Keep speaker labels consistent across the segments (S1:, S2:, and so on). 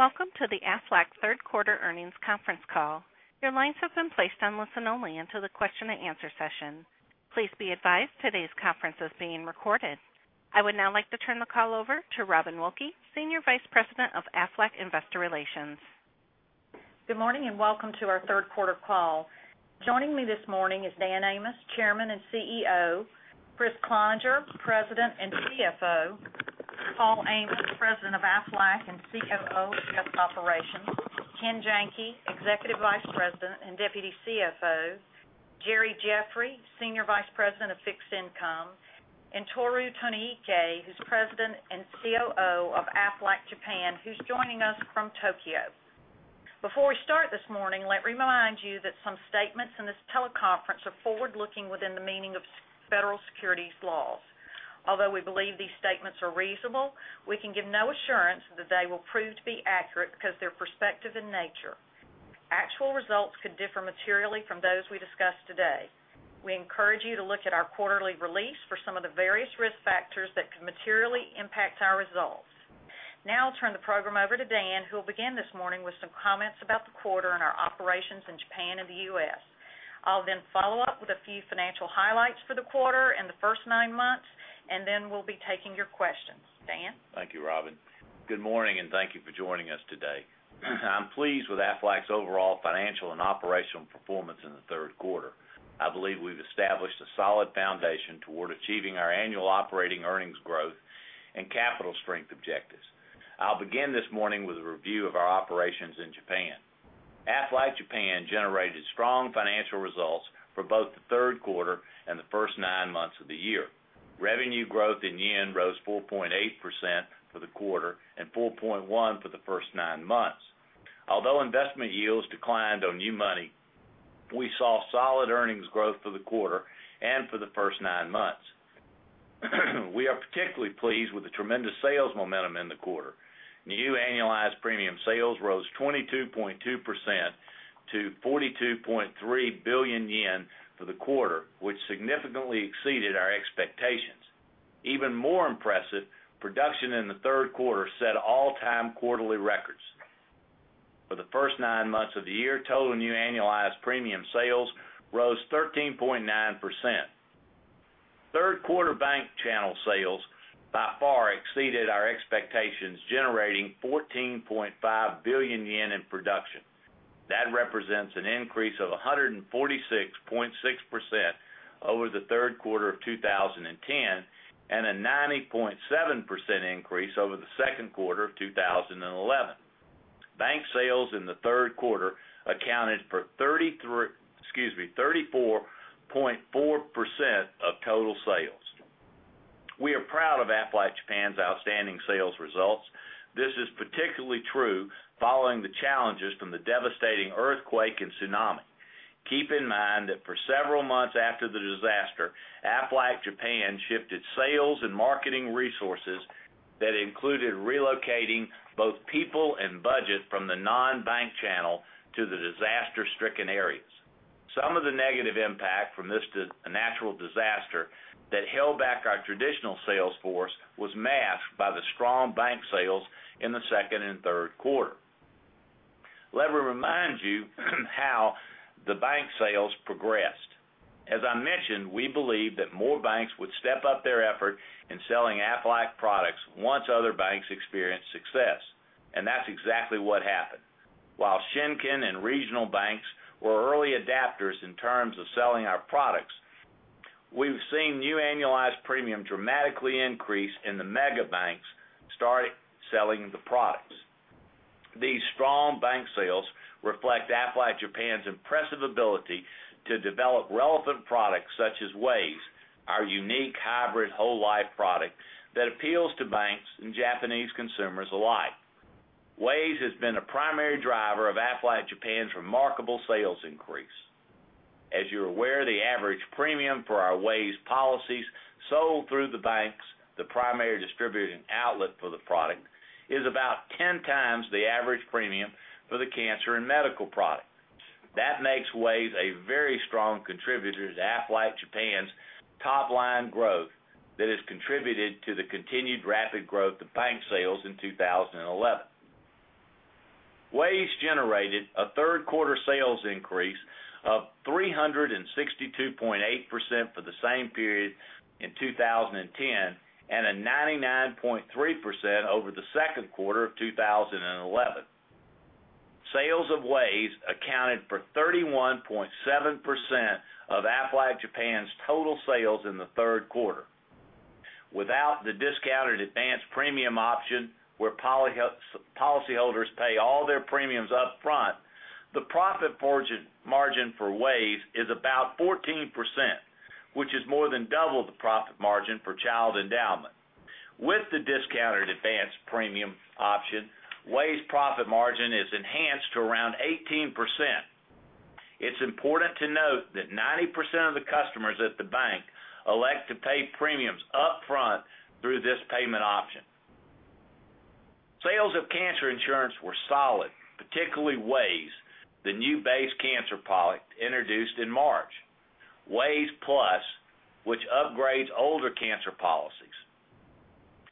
S1: Welcome to the Aflac third quarter earnings conference call. Your lines have been placed on listen-only until the question and answer session. Please be advised today's conference is being recorded. I would now like to turn the call over to Robin Wilkey, Senior Vice President of Aflac Investor Relations.
S2: Good morning, welcome to our third quarter call. Joining me this morning is Dan Amos, Chairman and CEO, Kriss Cloninger, President and CFO, Paul Amos, President of Aflac and COO of U.S. Operations, Ken Janke, Executive Vice President and Deputy CFO, Jerry Jeffery, Senior Vice President of Fixed Income, and Tohru Tonoike, who's President and COO of Aflac Japan, who's joining us from Tokyo. Before we start this morning, let me remind you that some statements in this teleconference are forward-looking within the meaning of federal securities laws. Although we believe these statements are reasonable, we can give no assurance that they will prove to be accurate because they're prospective in nature. Actual results could differ materially from those we discuss today. We encourage you to look at our quarterly release for some of the various risk factors that could materially impact our results. I'll turn the program over to Dan, who will begin this morning with some comments about the quarter and our operations in Japan and the U.S. I'll follow up with a few financial highlights for the quarter and the first nine months, we'll be taking your questions. Dan?
S3: Thank you, Robin. Good morning, thank you for joining us today. I'm pleased with Aflac's overall financial and operational performance in the third quarter. I believe we've established a solid foundation toward achieving our annual operating earnings growth and capital strength objectives. I'll begin this morning with a review of our operations in Japan. Aflac Japan generated strong financial results for both the third quarter and the first nine months of the year. Revenue growth in JPY rose 4.8% for the quarter and 4.1% for the first nine months. Although investment yields declined on new money, we saw solid earnings growth for the quarter and for the first nine months. We are particularly pleased with the tremendous sales momentum in the quarter. New annualized premium sales rose 22.2% to 42.3 billion yen for the quarter, which significantly exceeded our expectations. Even more impressive, production in the third quarter set all-time quarterly records. For the first nine months of the year, total new annualized premium sales rose 13.9%. Third quarter bank channel sales by far exceeded our expectations, generating 14.5 billion yen in production. That represents an increase of 146.6% over the third quarter of 2010 and a 90.7% increase over the second quarter of 2011. Bank sales in the third quarter accounted for 34.4% of total sales. We are proud of Aflac Japan's outstanding sales results. This is particularly true following the challenges from the devastating earthquake and tsunami. Keep in mind that for several months after the disaster, Aflac Japan shifted sales and marketing resources that included relocating both people and budget from the non-bank channel to the disaster-stricken areas. Some of the negative impact from this natural disaster that held back our traditional sales force was masked by the strong bank sales in the second and third quarter. Let me remind you how the bank sales progressed. As I mentioned, we believe that more banks would step up their effort in selling Aflac products once other banks experience success, and that's exactly what happened. While Shinkin and regional banks were early adapters in terms of selling our products, we've seen new annualized premium dramatically increase and the mega banks start selling the products. These strong bank sales reflect Aflac Japan's impressive ability to develop relevant products such as Ways, our unique hybrid whole life product that appeals to banks and Japanese consumers alike. Ways has been a primary driver of Aflac Japan's remarkable sales increase. As you're aware, the average premium for our Ways policies sold through the banks, the primary distribution outlet for the product, is about 10 times the average premium for the cancer and medical product. That makes Ways a very strong contributor to Aflac Japan's top-line growth that has contributed to the continued rapid growth of bank sales in 2011. Ways generated a third quarter sales increase of 362.8% for the same period in 2010 and a 99.3% over the second quarter of 2011. Sales of Ways accounted for 31.7% of Aflac Japan's total sales in the third quarter. Without the discounted advanced premium option where policyholders pay all their premiums up front, the profit margin for Ways is about 14%, which is more than double the profit margin for child endowment. With the discounted advanced premium option, Ways profit margin is enhanced to around 18%. It's important to note that 90% of the customers at the bank elect to pay premiums up front through this payment option. Sales of cancer insurance were solid, particularly Ways, the new base cancer product introduced in March. Ways Plus, which upgrades older cancer policies.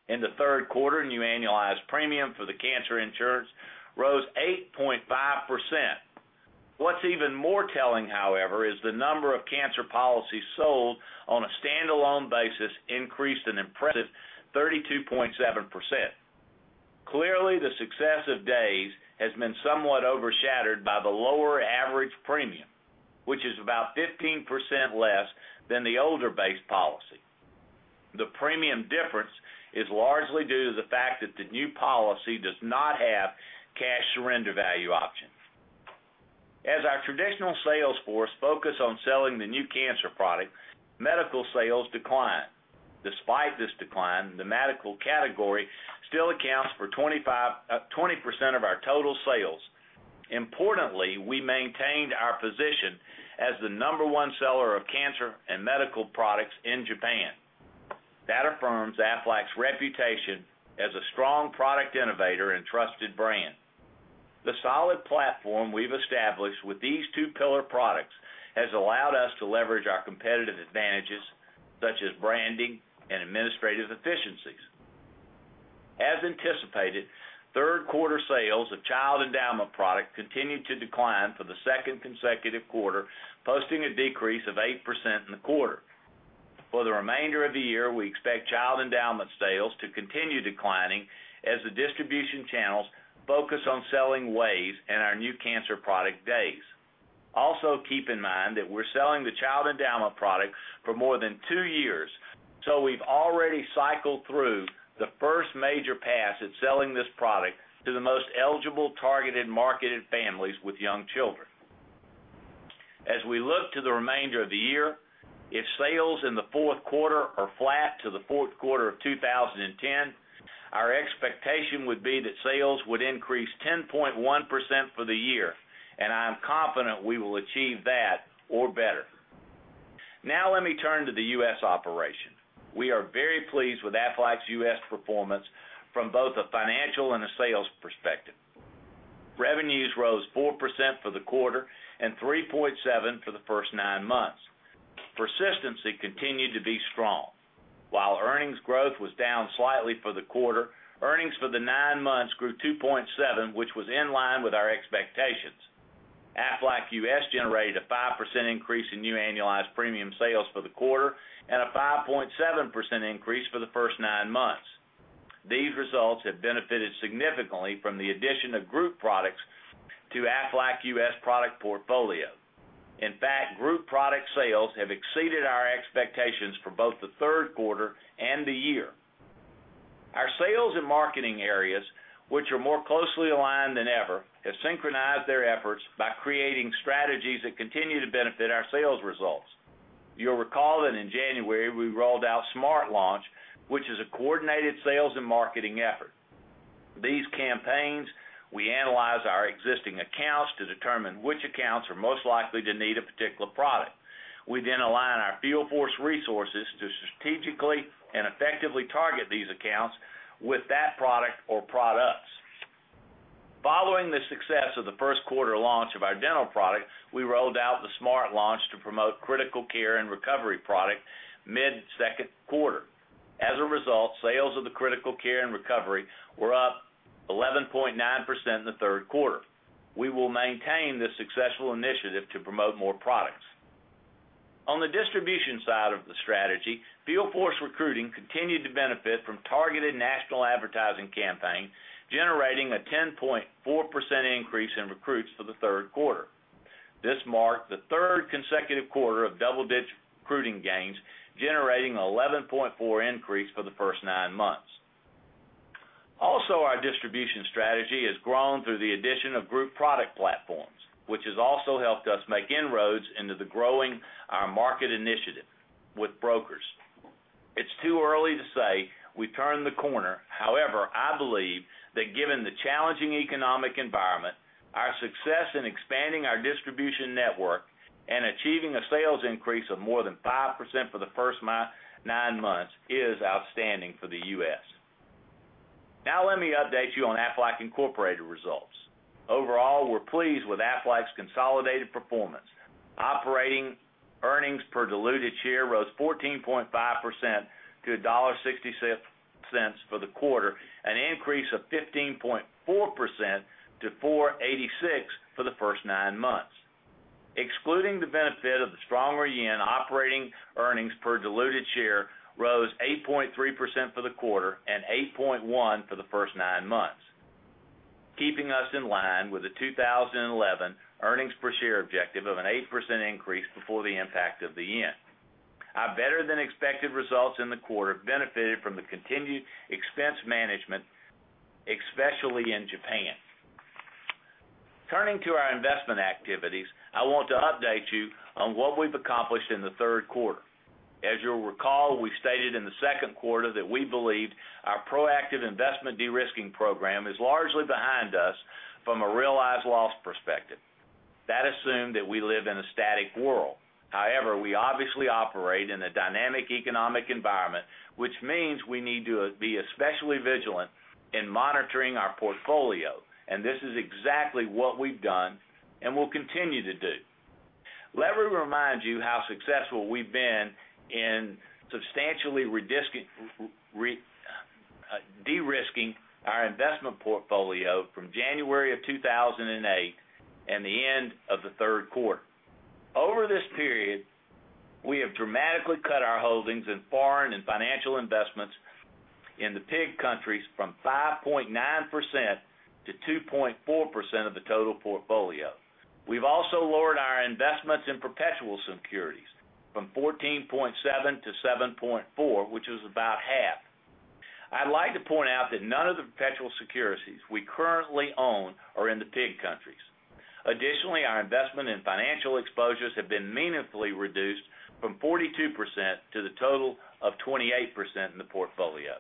S3: In the third quarter, new annualized premium for the cancer insurance rose 8.5%. What's even more telling, however, is the number of cancer policies sold on a standalone basis increased an impressive 32.7%. Clearly, the success of Ways has been somewhat overshadowed by the lower average premium, which is about 15% less than the older base policy. The premium difference is largely due to the fact that the new policy does not have cash surrender value options. As our traditional sales force focus on selling the new cancer product, medical sales decline. Despite this decline, the medical category still accounts for 20% of our total sales. Importantly, we maintained our position as the number one seller of cancer and medical products in Japan. That affirms Aflac's reputation as a strong product innovator and trusted brand. The solid platform we've established with these two pillar products has allowed us to leverage our competitive advantages, such as branding and administrative efficiencies. As anticipated, third quarter sales of child endowment product continued to decline for the second consecutive quarter, posting a decrease of 8% in the quarter. For the remainder of the year, we expect child endowment sales to continue declining as the distribution channels focus on selling Ways and our new cancer product Ways. Keep in mind that we're selling the child endowment product for more than two years, so we've already cycled through the first major pass at selling this product to the most eligible targeted marketed families with young children. As we look to the remainder of the year, if sales in the fourth quarter are flat to the fourth quarter of 2010, our expectation would be that sales would increase 10.1% for the year, and I am confident we will achieve that or better. Now let me turn to the U.S. operation. We are very pleased with Aflac's U.S. performance from both a financial and a sales perspective. Revenues rose 4% for the quarter and 3.7% for the first nine months. Persistency continued to be strong. While earnings growth was down slightly for the quarter, earnings for the nine months grew 2.7%, which was in line with our expectations. Aflac U.S. generated a 5% increase in new annualized premium sales for the quarter and a 5.7% increase for the first nine months. These results have benefited significantly from the addition of group products to Aflac U.S. product portfolio. In fact, group product sales have exceeded our expectations for both the third quarter and the year. Our sales and marketing areas, which are more closely aligned than ever, have synchronized their efforts by creating strategies that continue to benefit our sales results. You'll recall that in January, we rolled out Smart Launch, which is a coordinated sales and marketing effort. These campaigns, we analyze our existing accounts to determine which accounts are most likely to need a particular product. We then align our field force resources to strategically and effectively target these accounts with that product or products. Following the success of the first quarter launch of our dental product, we rolled out the Smart Launch to promote Critical Care and Recovery product mid-second quarter. As a result, sales of the Critical Care and Recovery were up 11.9% in the third quarter. We will maintain this successful initiative to promote more products. On the distribution side of the strategy, field force recruiting continued to benefit from targeted national advertising campaign, generating a 10.4% increase in recruits for the third quarter. This marked the third consecutive quarter of double-digit recruiting gains, generating a 11.4% increase for the first nine months. Our distribution strategy has grown through the addition of group product platforms, which has also helped us make inroads into the growing our market initiative with brokers. It's too early to say we've turned the corner. However, I believe that given the challenging economic environment, our success in expanding our distribution network and achieving a sales increase of more than 5% for the first nine months is outstanding for the U.S. Let me update you on Aflac Incorporated results. Overall, we're pleased with Aflac's consolidated performance. Operating earnings per diluted share rose 14.5% to $1.66 for the quarter, an increase of 15.4% to $4.86 for the first nine months. Excluding the benefit of the stronger yen, operating earnings per diluted share rose 8.3% for the quarter and 8.1% for the first nine months, keeping us in line with the 2011 earnings per share objective of an 8% increase before the impact of the yen. Our better-than-expected results in the quarter benefited from the continued expense management, especially in Japan. Turning to our investment activities, I want to update you on what we've accomplished in the third quarter. As you'll recall, we stated in the second quarter that we believed our proactive investment de-risking program is largely behind us from a realized loss perspective. That assumed that we live in a static world. However, we obviously operate in a dynamic economic environment, which means we need to be especially vigilant in monitoring our portfolio, and this is exactly what we've done and will continue to do. Let me remind you how successful we've been in substantially de-risking our investment portfolio from January of 2008 and the end of the third quarter. Over this period, we have dramatically cut our holdings in foreign and financial investments in the PIIGS countries from 5.9%-2.4% of the total portfolio. We've also lowered our investments in perpetual securities from 14.7%-7.4%, which is about half. I'd like to point out that none of the perpetual securities we currently own are in the PIIGS countries. Additionally, our investment in financial exposures have been meaningfully reduced from 42% to the total of 28% in the portfolio.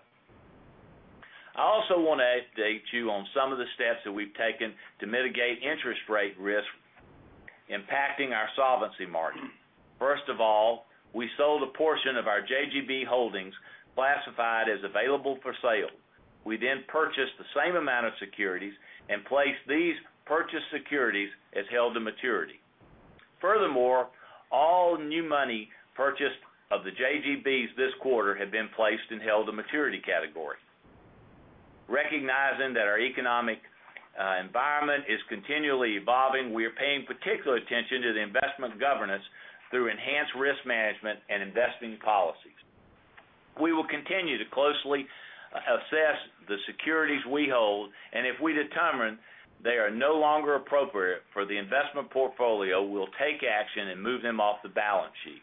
S3: I also want to update you on some of the steps that we've taken to mitigate interest rate risk impacting our solvency margin. First of all, we sold a portion of our JGB holdings classified as available for sale. We then purchased the same amount of securities and placed these purchased securities as held to maturity. Furthermore, all new money purchased of the JGBs this quarter have been placed in held to maturity category. Recognizing that our economic environment is continually evolving, we are paying particular attention to the investment governance through enhanced risk management and investing policies. We will continue to closely assess the securities we hold, and if we determine they are no longer appropriate for the investment portfolio, we'll take action and move them off the balance sheet.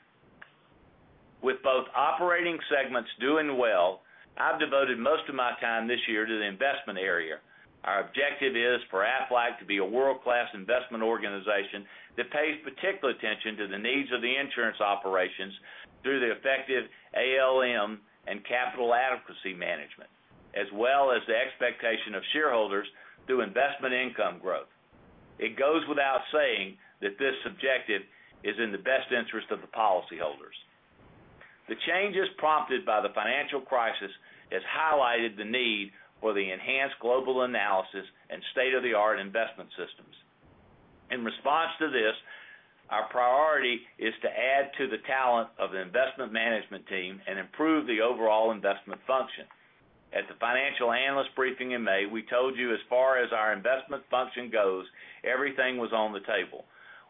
S3: With both operating segments doing well, I've devoted most of my time this year to the investment area. Our objective is for Aflac to be a world-class investment organization that pays particular attention to the needs of the insurance operations through the effective ALM and capital adequacy management, as well as the expectation of shareholders through investment income growth. It goes without saying that this objective is in the best interest of the policyholders. The changes prompted by the financial crisis has highlighted the need for the enhanced global analysis and state-of-the-art investment systems. In response to this, our priority is to add to the talent of the investment management team and improve the overall investment function. At the financial analyst briefing in May, we told you as far as our investment function goes, everything was on the table.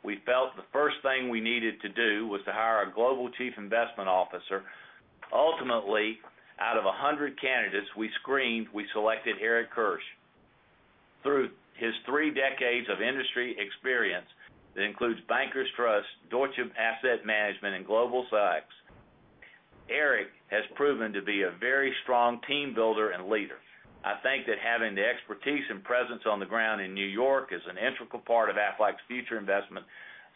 S3: We felt the first thing we needed to do was to hire a global chief investment officer. Ultimately, out of 100 candidates we screened, we selected Eric Kirsch. Through his three decades of industry experience, that includes Bankers Trust, Deutsche Asset Management, and Goldman Sachs, Eric has proven to be a very strong team builder and leader. I think that having the expertise and presence on the ground in New York is an integral part of Aflac's future investment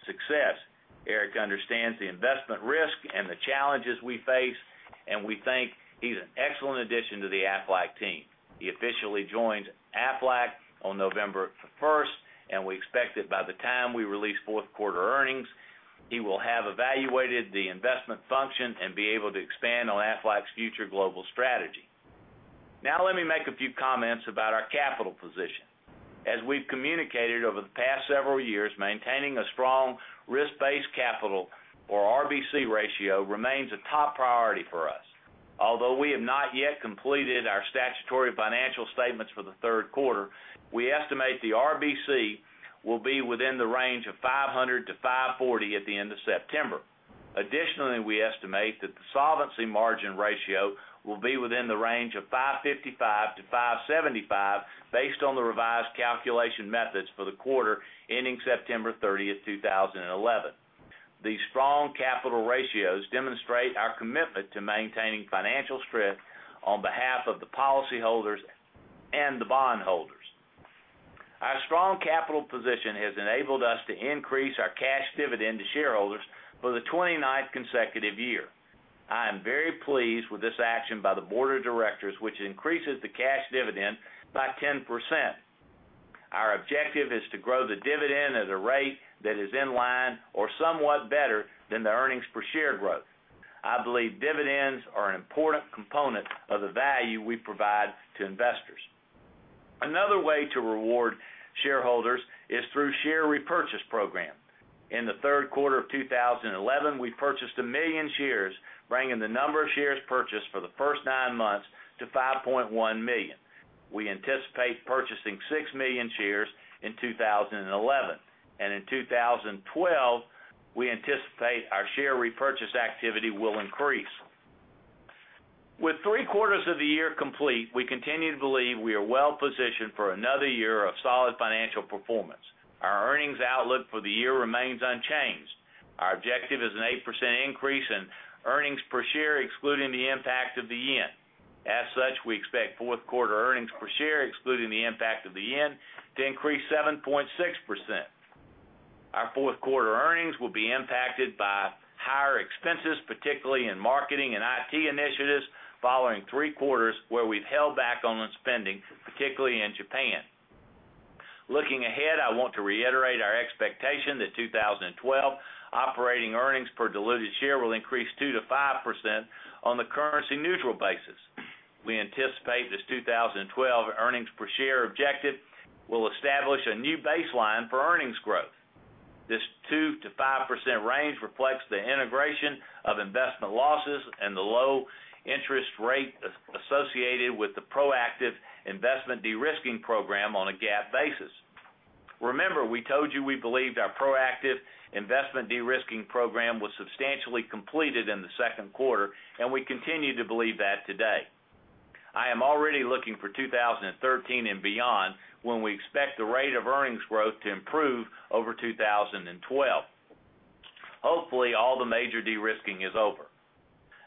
S3: success. Eric understands the investment risk and the challenges we face, and we think he's an excellent addition to the Aflac team. He officially joins Aflac on November 1st, and we expect that by the time we release fourth quarter earnings, he will have evaluated the investment function and be able to expand on Aflac's future global strategy. Now let me make a few comments about our capital position. As we've communicated over the past several years, maintaining a strong risk-based capital or RBC ratio remains a top priority for us. Although we have not yet completed our statutory financial statements for the third quarter, we estimate the RBC will be within the range of 500-540 at the end of September. Additionally, we estimate that the solvency margin ratio will be within the range of 555-575, based on the revised calculation methods for the quarter ending September 30th, 2011. These strong capital ratios demonstrate our commitment to maintaining financial strength on behalf of the policyholders and the bondholders. Our strong capital position has enabled us to increase our cash dividend to shareholders for the 29th consecutive year. I am very pleased with this action by the board of directors, which increases the cash dividend by 10%. Our objective is to grow the dividend at a rate that is in line or somewhat better than the earnings per share growth. I believe dividends are an important component of the value we provide to investors. Another way to reward shareholders is through share repurchase program. In the third quarter of 2011, we purchased 1 million shares, bringing the number of shares purchased for the first nine months to 5.1 million. We anticipate purchasing 6 million shares in 2011, and in 2012, we anticipate our share repurchase activity will increase. With three quarters of the year complete, we continue to believe we are well-positioned for another year of solid financial performance. Our earnings outlook for the year remains unchanged. Our objective is an 8% increase in earnings per share, excluding the impact of the yen. As such, we expect fourth quarter earnings per share, excluding the impact of the yen, to increase 7.6%. Our fourth quarter earnings will be impacted by higher expenses, particularly in marketing and IT initiatives, following three quarters where we've held back on the spending, particularly in Japan. Looking ahead, I want to reiterate our expectation that 2012 operating earnings per diluted share will increase 2%-5% on the currency neutral basis. We anticipate this 2012 earnings per share objective will establish a new baseline for earnings growth. This 2%-5% range reflects the integration of investment losses and the low interest rate associated with the proactive investment de-risking program on a GAAP basis. Remember, we told you we believed our proactive investment de-risking program was substantially completed in the second quarter, and we continue to believe that today. I am already looking for 2013 and beyond, when we expect the rate of earnings growth to improve over 2012. Hopefully, all the major de-risking is over.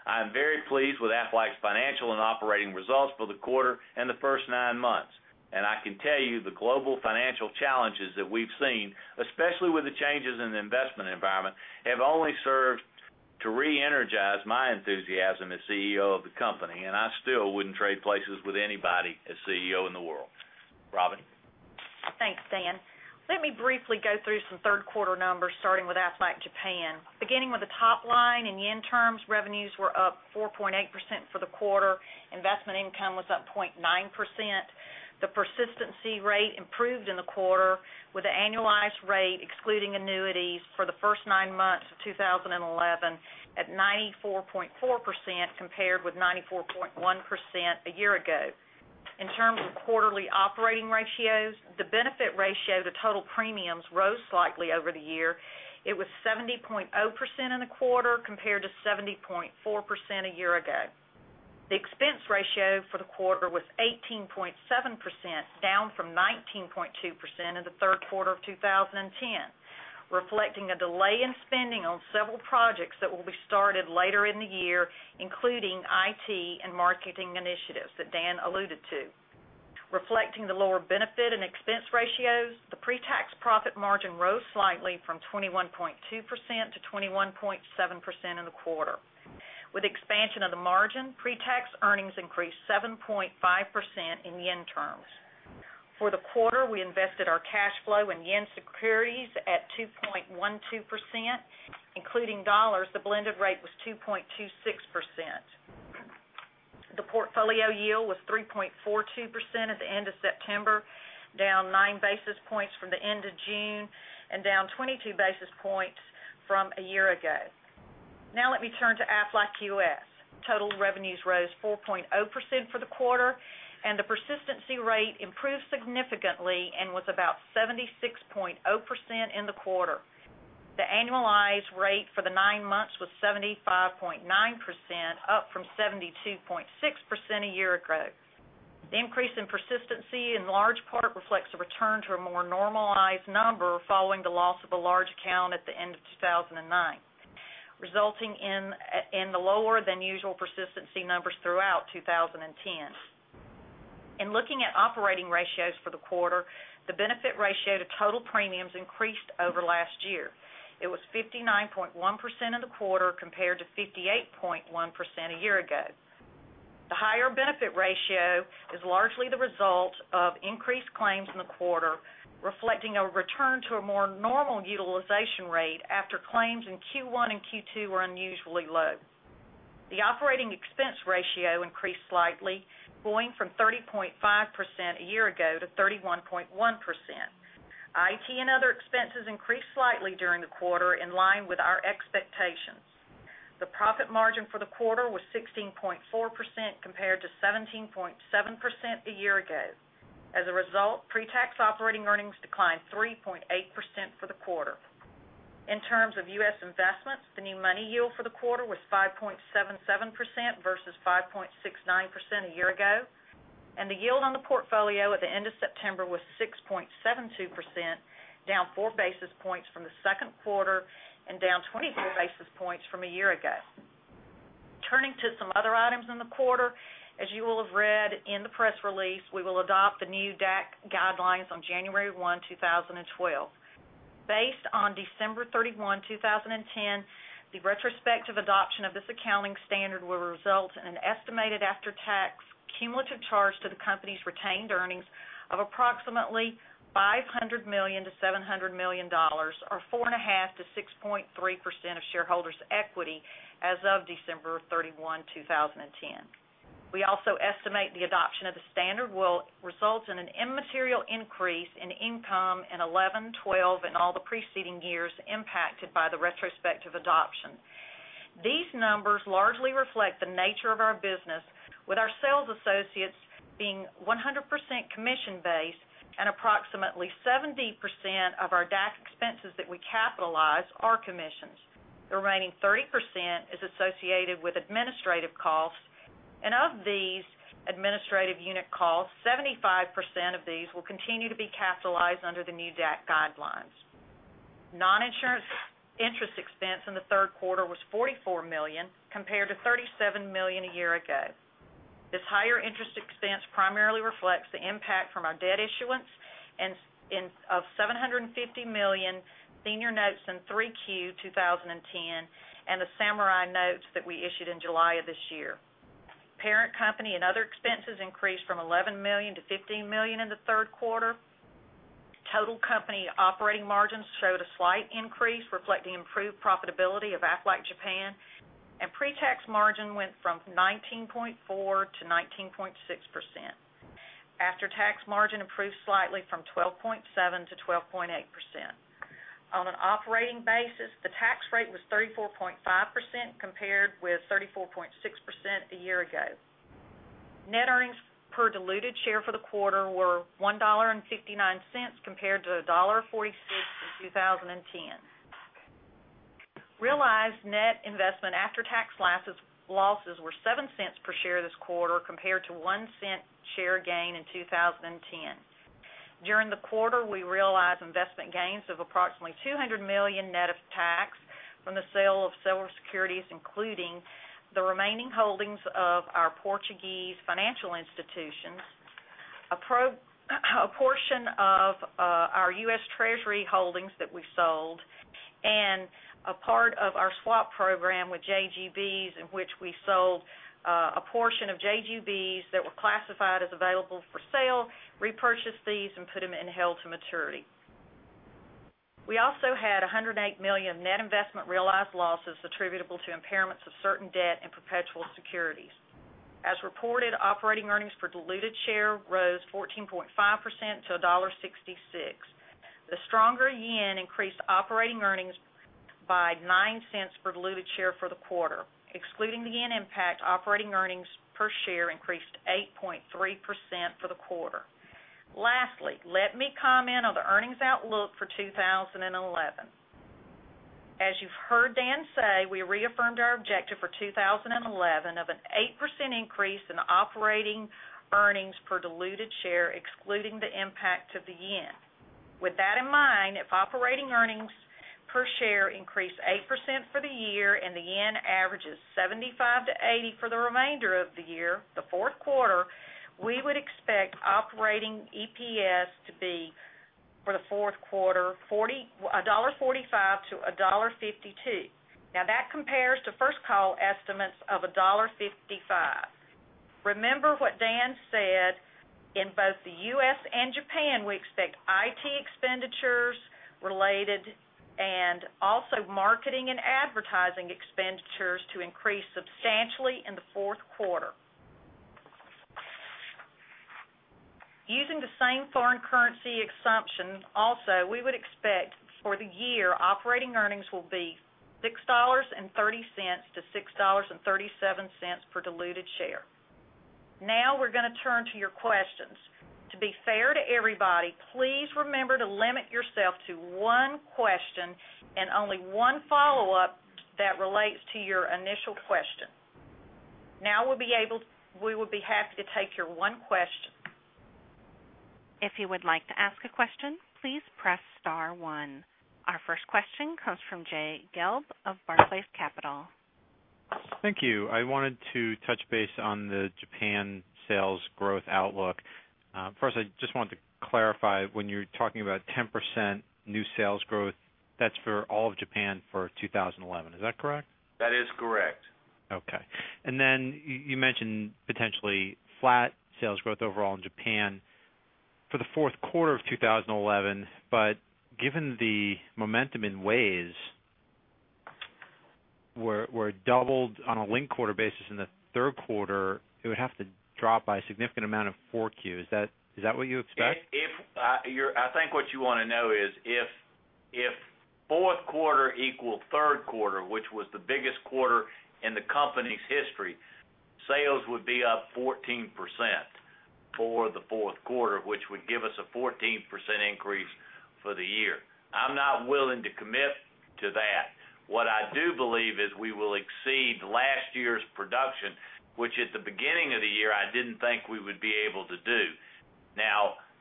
S3: I am very pleased with Aflac's financial and operating results for the quarter and the first nine months. I can tell you, the global financial challenges that we've seen, especially with the changes in the investment environment, have only served to re-energize my enthusiasm as CEO of the company, and I still wouldn't trade places with anybody as CEO in the world. Robin?
S2: Thanks, Dan. Let me briefly go through some third quarter numbers, starting with Aflac Japan. Beginning with the top line in JPY terms, revenues were up 4.8% for the quarter, investment income was up 0.9%. The persistency rate improved in the quarter with the annualized rate, excluding annuities, for the first nine months of 2011 at 94.4%, compared with 94.1% a year ago. In terms of quarterly operating ratios, the benefit ratio to total premiums rose slightly over the year. It was 70.0% in the quarter, compared to 70.4% a year ago. The expense ratio for the quarter was 18.7%, down from 19.2% in the third quarter of 2010, reflecting a delay in spending on several projects that will be started later in the year, including IT and marketing initiatives that Dan alluded to. Reflecting the lower benefit and expense ratios, the pre-tax profit margin rose slightly from 21.2%-21.7% in the quarter. With expansion of the margin, pre-tax earnings increased 7.5% in JPY terms. For the quarter, we invested our cash flow in JPY securities at 2.12%, including USD, the blended rate was 2.26%. The portfolio yield was 3.42% at the end of September, down nine basis points from the end of June and down 22 basis points from a year ago. Now let me turn to Aflac US. Total revenues rose 4.0% for the quarter, and the persistency rate improved significantly and was about 76.0% in the quarter. The annualized rate for the nine months was 75.9%, up from 72.6% a year ago. The increase in persistency in large part reflects a return to a more normalized number following the loss of a large account at the end of 2009, resulting in the lower than usual persistency numbers throughout 2010. In looking at operating ratios for the quarter, the benefit ratio to total premiums increased over last year. It was 59.1% in the quarter compared to 58.1% a year ago. The higher benefit ratio is largely the result of increased claims in the quarter, reflecting a return to a more normal utilization rate after claims in Q1 and Q2 were unusually low. The operating expense ratio increased slightly, going from 30.5% a year ago to 31.1%. IT and other expenses increased slightly during the quarter in line with our expectations. The profit margin for the quarter was 16.4% compared to 17.7% a year ago. As a result, pre-tax operating earnings declined 3.8% for the quarter. In terms of U.S. investments, the new money yield for the quarter was 5.77% versus 5.69% a year ago, and the yield on the portfolio at the end of September was 6.72%, down four basis points from the second quarter and down 24 basis points from a year ago. Turning to some other items in the quarter, as you will have read in the press release, we will adopt the new DAC guidelines on January 1, 2012. Based on December 31, 2010, the retrospective adoption of this accounting standard will result in an estimated after-tax cumulative charge to the company's retained earnings of approximately $500 million-$700 million, or 4.5%-6.3% of shareholders' equity as of December 31, 2010. We also estimate the adoption of the standard will result in an immaterial increase in income in 2011, 2012, and all the preceding years impacted by the retrospective adoption. These numbers largely reflect the nature of our business with our sales associates being 100% commission-based and approximately 70% of our DAC expenses that we capitalize are commissions. The remaining 30% is associated with administrative costs, and of these administrative unit costs, 75% of these will continue to be capitalized under the new DAC guidelines. Non-insurance interest expense in the third quarter was $44 million, compared to $37 million a year ago. This higher interest expense primarily reflects the impact from our debt issuance of $750 million senior notes in 3Q 2010 and the Samurai notes that we issued in July of this year. Parent company and other expenses increased from $11 million to $15 million in the third quarter. Total company operating margins showed a slight increase, reflecting improved profitability of Aflac Japan. Pre-tax margin went from 19.4%-19.6%. After-tax margin improved slightly from 12.7%-12.8%. On an operating basis, the tax rate was 34.5%, compared with 34.6% a year ago. Net earnings per diluted share for the quarter were $1.59 compared to $1.46 in 2010. Realized net investment after-tax losses were $0.07 per share this quarter, compared to a $0.01 share gain in 2010. During the quarter, we realized investment gains of approximately $200 million net of tax from the sale of several securities, including the remaining holdings of our Portuguese financial institutions, a portion of our U.S. Treasury holdings that we sold, and a part of our swap program with JGBs, in which we sold a portion of JGBs that were classified as available for sale, repurchased these, and put them in held to maturity. We also had $108 million net investment realized losses attributable to impairments of certain debt and perpetual securities. As reported, operating earnings per diluted share rose 14.5% to $1.66. The stronger yen increased operating earnings by $0.09 per diluted share for the quarter. Excluding the yen impact, operating earnings per share increased 8.3% for the quarter. Lastly, let me comment on the earnings outlook for 2011. As you've heard Dan say, we reaffirmed our objective for 2011 of an 8% increase in operating earnings per diluted share, excluding the impact of the yen. With that in mind, if operating earnings per share increase 8% for the year and the yen averages $75 to $80 for the remainder of the year, the fourth quarter, we would expect operating EPS to be, for the fourth quarter, $1.45 to $1.52. That compares to First Call estimates of $1.55. Remember what Dan said, in both the U.S., and Japan, we expect IT expenditures related and also marketing and advertising expenditures to increase substantially in the fourth quarter. Using the same foreign currency assumption also, we would expect for the year, operating earnings will be $6.30 to $6.37 per diluted share. We're going to turn to your questions. To be fair to everybody, please remember to limit yourself to one question and only one follow-up that relates to your initial question. We will be happy to take your one question.
S1: If you would like to ask a question, please press *1. Our first question comes from Jay Gelb of Barclays Capital.
S4: Thank you. I wanted to touch base on the Japan sales growth outlook. I just wanted to clarify, when you're talking about 10% new sales growth, that's for all of Japan for 2011. Is that correct?
S2: That is correct.
S4: Okay. You mentioned potentially flat sales growth overall in Japan for the fourth quarter of 2011. Given the momentum in Ways, where it doubled on a linked quarter basis in the third quarter, it would have to drop by a significant amount in 4Q. Is that what you expect?
S2: I think what you want to know is if fourth quarter equaled third quarter, which was the biggest quarter in the company's history, sales would be up 14% for the fourth quarter, which would give us a 14% increase for the year. I'm not willing to commit to that. What I do believe is we will exceed last year's production, which at the beginning of the year, I didn't think we would be able to do.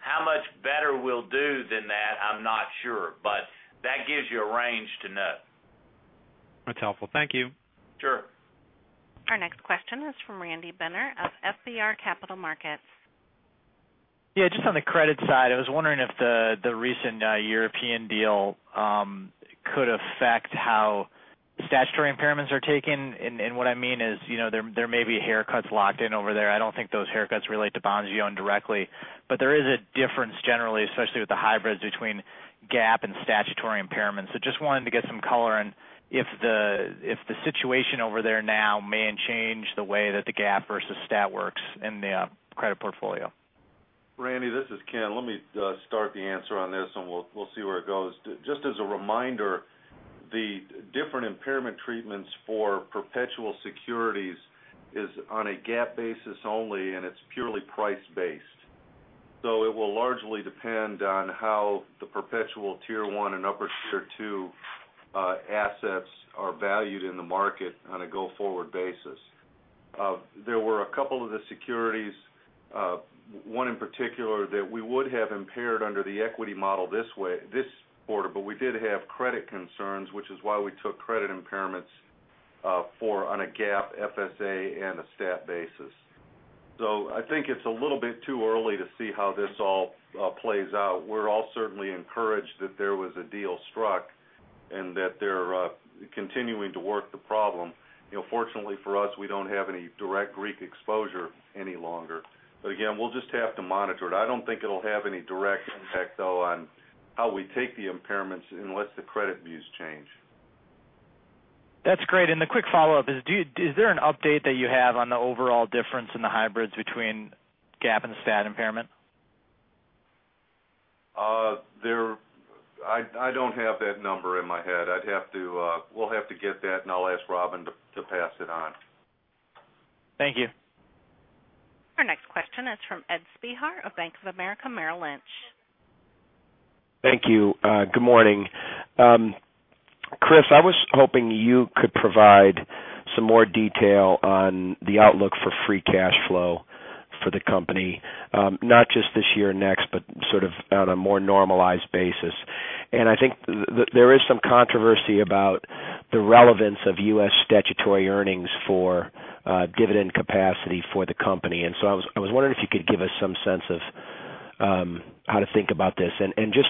S2: How much better we'll do than that, I'm not sure, but that gives you a range to know.
S4: That's helpful. Thank you.
S2: Sure.
S1: Our next question is from Randy Binner of FBR Capital Markets.
S5: Just on the credit side, I was wondering if the recent European deal could affect how statutory impairments are taken. What I mean is, there may be haircuts locked in over there. I don't think those haircuts relate to bonds you own directly, but there is a difference generally, especially with the hybrids between GAAP and statutory impairments. Just wanted to get some color on if the situation over there now may change the way that the GAAP versus stat works in the credit portfolio.
S6: Randy, this is Ken. Let me start the answer on this, we'll see where it goes. Just as a reminder, the different impairment treatments for perpetual securities is on a GAAP basis only, it's purely price-based. It will largely depend on how the perpetual tier 1 and upper tier 2 assets are valued in the market on a go-forward basis. There were a couple of the securities, one in particular, that we would have impaired under the equity model this quarter, but we did have credit concerns, which is why we took credit impairments on a GAAP, FSA, and a stat basis. I think it's a little bit too early to see how this all plays out. We're all certainly encouraged that there was a deal struck That they're continuing to work the problem. Fortunately for us, we don't have any direct Greek exposure any longer. Again, we'll just have to monitor it. I don't think it'll have any direct impact, though, on how we take the impairments, unless the credit views change.
S5: That's great. The quick follow-up is there an update that you have on the overall difference in the hybrids between GAAP and STAT impairment?
S6: I don't have that number in my head. We'll have to get that, and I'll ask Robin to pass it on.
S5: Thank you.
S1: Our next question is from Ed Spehar of Bank of America Merrill Lynch.
S7: Thank you. Good morning. Kriss, I was hoping you could provide some more detail on the outlook for free cash flow for the company. Not just this year and next, but sort of on a more normalized basis. I think there is some controversy about the relevance of U.S. statutory earnings for dividend capacity for the company. I was wondering if you could give us some sense of how to think about this and just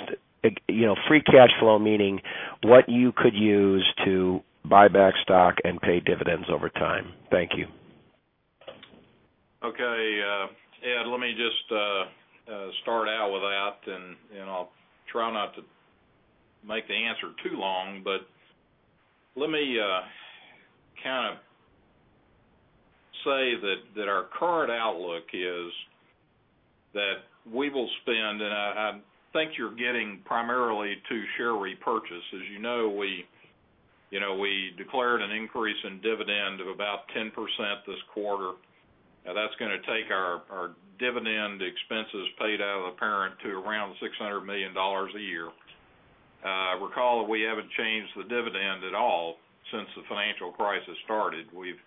S7: free cash flow, meaning what you could use to buy back stock and pay dividends over time. Thank you.
S8: Okay. Ed, let me just start out with that, and I'll try not to make the answer too long. Let me kind of say that our current outlook is that we will spend, and I think you're getting primarily two share repurchases. As you know, we declared an increase in dividend of about 10% this quarter. Now that's going to take our dividend expenses paid out of the parent to around $600 million a year. Recall that we haven't changed the dividend at all since the financial crisis started. We've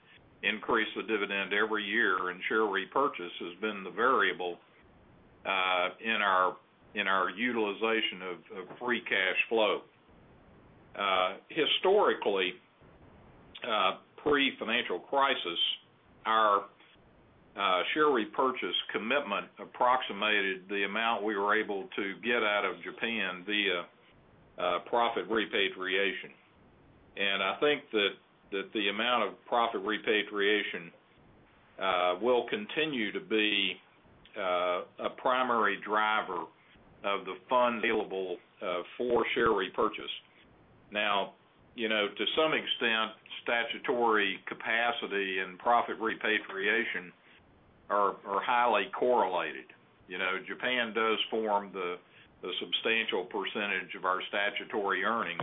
S8: increased the dividend every year, and share repurchase has been the variable in our utilization of free cash flow. Historically, pre-financial crisis, our share repurchase commitment approximated the amount we were able to get out of Japan via profit repatriation. I think that the amount of profit repatriation will continue to be a primary driver of the funds available for share repurchase. Now, to some extent, statutory capacity and profit repatriation are highly correlated. Japan does form the substantial percentage of our statutory earnings,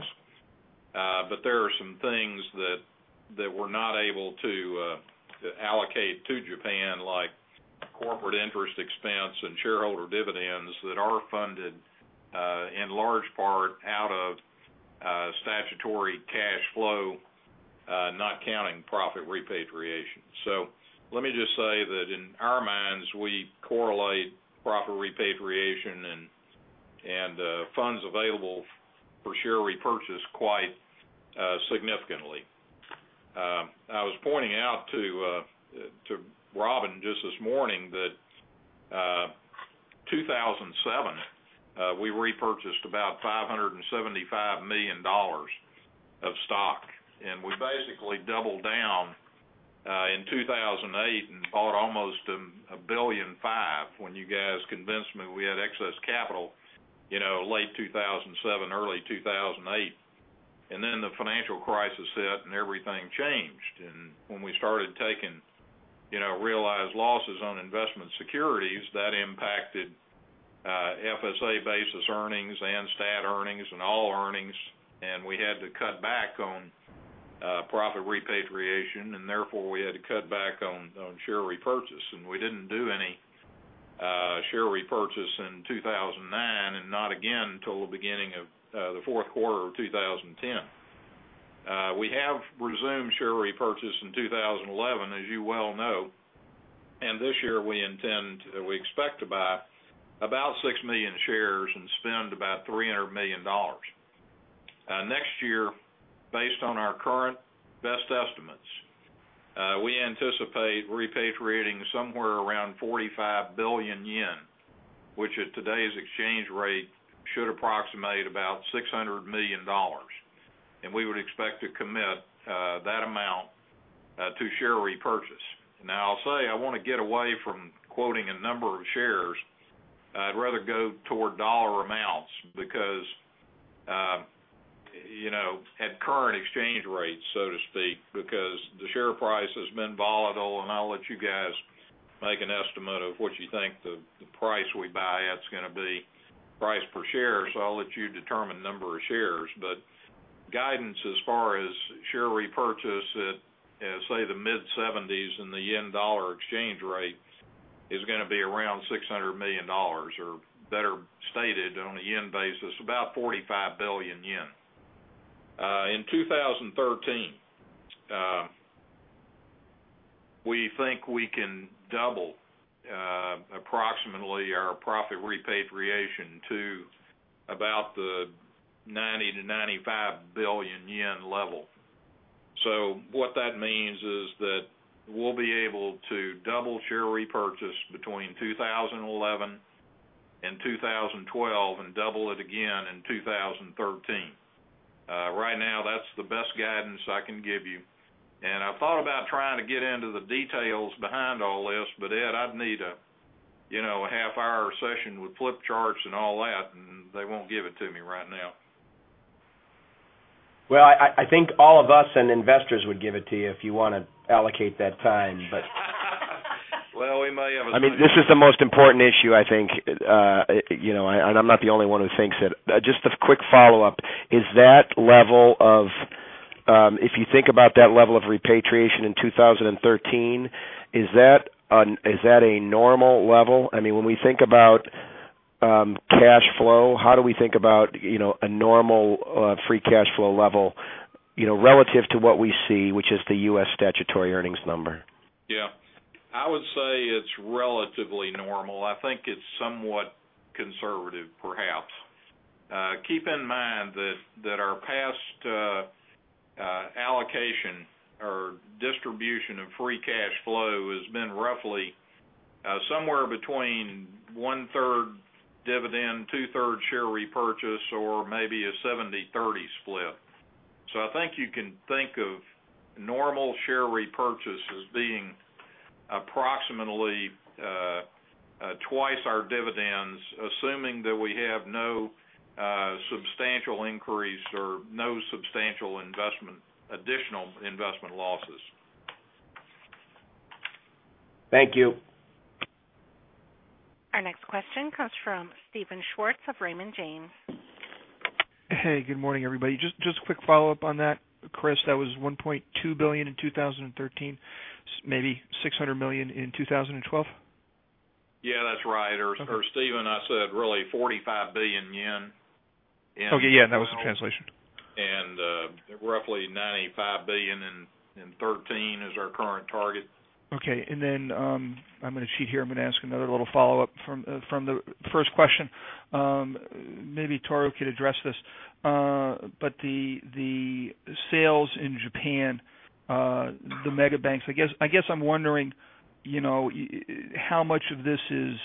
S8: but there are some things that we're not able to allocate to Japan, like corporate interest expense and shareholder dividends that are funded in large part out of statutory cash flow, not counting profit repatriation. So let me just say that in our minds, we correlate profit repatriation and funds available for share repurchase quite significantly. I was pointing out to Robin just this morning that 2007, we repurchased about $575 million of stock, and we basically doubled down in 2008 and bought almost a billion and five when you guys convinced me we had excess capital, late 2007, early 2008. Then the financial crisis hit and everything changed. When we started taking realized losses on investment securities, that impacted FSA basis earnings and STAT earnings and all earnings. We had to cut back on profit repatriation, therefore, we had to cut back on share repurchase. We didn't do any share repurchase in 2009, not again till the beginning of the fourth quarter of 2010. We have resumed share repurchase in 2011, as you well know. This year, we expect to buy about 6 million shares and spend about $300 million. Next year, based on our current best estimates, we anticipate repatriating somewhere around 45 billion yen, which at today's exchange rate should approximate about $600 million. We would expect to commit that amount to share repurchase. Now I'll say, I want to get away from quoting a number of shares. I'd rather go toward dollar amounts because at current exchange rates, so to speak, because the share price has been volatile, and I'll let you guys make an estimate of what you think the price we buy at is going to be price per share. I'll let you determine number of shares, but guidance as far as share repurchase at, say, the mid-70s and the yen-dollar exchange rate is going to be around $600 million or better stated on a yen basis, about 45 billion yen. In 2013, we think we can double approximately our profit repatriation to about the 90 billion-95 billion yen level. What that means is that we'll be able to double share repurchase between 2011 and 2012, and double it again in 2013. Right now, that's the best guidance I can give you. I thought about trying to get into the details behind all this, but Ed, I'd need a half-hour session with flip charts and all that, and they won't give it to me right now.
S7: Well, I think all of us and investors would give it to you if you want to allocate that time.
S8: Well, we may have.
S7: I mean, this is the most important issue, I think. I'm not the only one who thinks it. Just a quick follow-up. If you think about that level of repatriation in 2013, is that a normal level? I mean, when we think about cash flow, how do we think about a normal free cash flow level, relative to what we see, which is the U.S. statutory earnings number?
S8: Yeah. I would say it's relatively normal. I think it's somewhat conservative, perhaps. Keep in mind that our past allocation or distribution of free cash flow has been roughly somewhere between one-third dividend, two-third share repurchase, or maybe a 70/30 split. I think you can think of normal share repurchase as being approximately twice our dividends, assuming that we have no substantial increase or no substantial additional investment losses.
S7: Thank you.
S1: Our next question comes from Steven Schwartz of Raymond James.
S9: Hey, good morning, everybody. Just a quick follow-up on that, Kriss. That was 1.2 billion in 2013, maybe 600 million in 2012?
S8: Yeah, that's right. Steven, I said really 45 billion yen.
S9: Okay. Yeah, that was the translation.
S8: Roughly 95 billion in 2013 is our current target.
S9: Okay. I'm going to cheat here. I'm going to ask another little follow-up from the first question. Maybe Tohru could address this. The sales in Japan, the mega banks, I guess I'm wondering how much of this is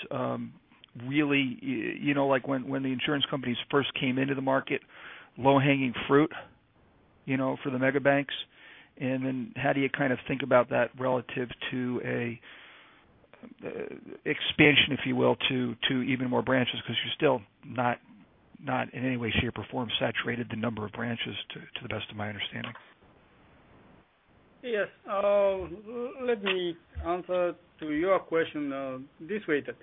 S9: really like when the insurance companies first came into the market, low-hanging fruit for the mega banks. How do you think about that relative to expansion, if you will, to even more branches? You're still not in any way, shape, or form saturated the number of branches to the best of my understanding.
S10: Yes. Let me answer to your question this way, that